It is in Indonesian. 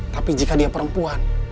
tapi jika dia perempuan